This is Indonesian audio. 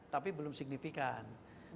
tapi belum signifikan